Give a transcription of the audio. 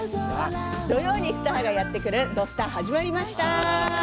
土曜にスターがやってくる「土スタ」始まりました。